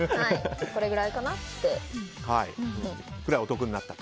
これくらいかなって。